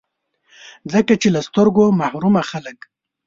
ځکه چي له سترګو محرومه خلګ